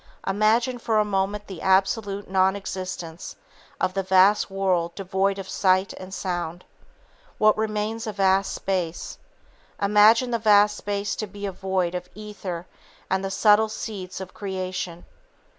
Imagine for a moment the absolute non existence of the vast world devoid of sight and sound. What remains a vast space. Imagine the vast space to be void of ether and the subtle seeds of creation.